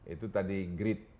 itu tadi grid